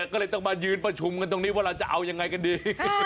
ก็เลยต้องมายืนประชุมกันตรงนี้ว่าเราจะเอายังไงกันดี